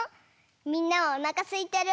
みんなおなかすいてる？